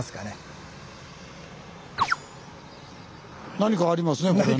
何かありますよね